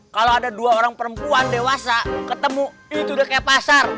kalau ada dua orang perempuan dewasa ketemu itu udah kayak pasar